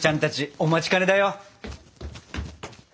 お待ちかねだよ！